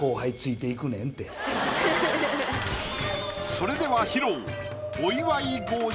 それでは披露。